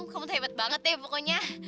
kamu tuh hebat banget deh pokoknya